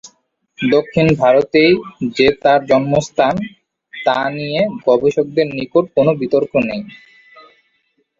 দক্ষিণ ভারতেই যে তার জন্মস্থান তা নিয়ে গবেষকদের নিকট কোনো বিতর্ক নেই।